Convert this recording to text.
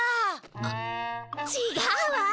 あっ違うわ。